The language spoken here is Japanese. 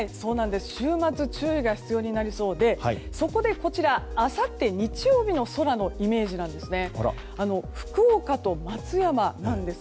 週末注意が必要になりそうでそこで、あさって日曜日の空のイメージなんです。